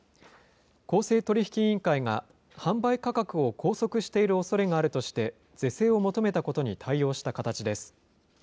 公正取引委員会が販売価格を拘束しているおそれがあるとして、是正を求めたことに対応した形です。